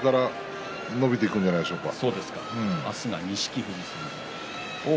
これから伸びていくんではないでしょうか。